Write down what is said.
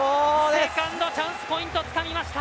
セカンドチャンスポイントつかみました！